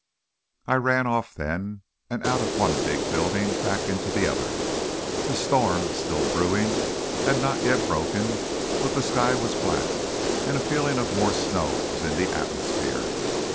I ran off, then, and out of one big building back into the other. The storm, still brewing, had not yet broken, but the sky was black, and a feeling of more snow was in the atmosphere.